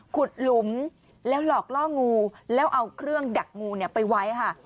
หลุมแล้วหลอกล่องูแล้วเอาเครื่องดักงูไปไว้ค่ะ